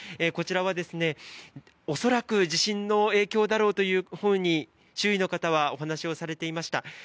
こちらは恐らく地震の影響だろうというふうに周囲の方はおっしゃっていました。